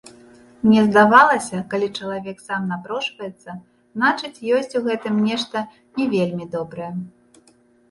Мне здавалася, калі чалавек сам напрошваецца, значыць, ёсць у гэтым нешта не вельмі добрае.